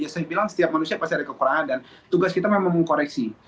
saya bilang setiap manusia pasti ada kekurangan dan tugas kita memang mengkoreksi